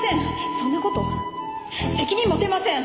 そんな事責任持てません！